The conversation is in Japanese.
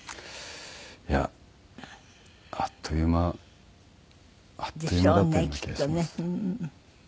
いやあっという間あっという間だったような気がします。